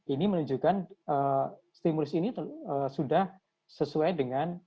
ini menunjukkan stimulus ini sudah sesuai dengan